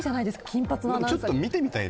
金髪のアナウンサー。